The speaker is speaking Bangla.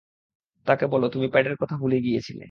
তাকে বলো তুমি প্যাডের কথা ভুলে গিয়েছিলে।